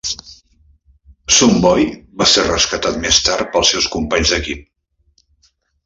Sun Boy va ser rescatat més tard pels seus companys d'equip.